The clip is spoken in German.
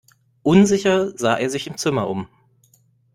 Unsicher sah er sich im Zimmer um.